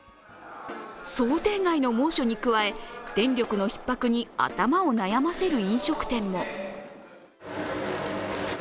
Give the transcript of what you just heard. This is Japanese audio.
想定外の猛暑に加え、電力のひっ迫に頭を悩ませる飲食店も。